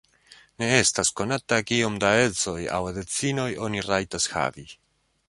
Ne estas konata kiom da edzoj aŭ edzinoj oni rajtas havi.